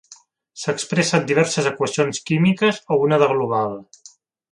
S'expressa en diverses equacions químiques o una de global.